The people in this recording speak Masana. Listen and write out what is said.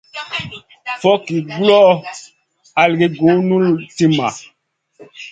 Fogki guloʼo, halgi guʼ nul timma.